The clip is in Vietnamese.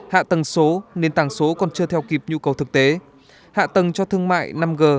hạ tầng số nên tàng số còn chưa theo kịp nhu cầu thực tế hạ tầng cho thương mại năm g